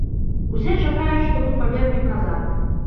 Усе чакаюць, што мы павернем назад.